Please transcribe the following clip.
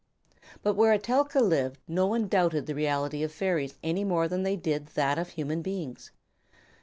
But where Etelka lived no one doubted the reality of fairies any more than they did that of human beings.